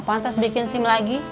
pantas bikin sim lagi